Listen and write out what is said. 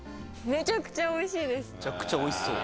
めちゃくちゃおいしそう。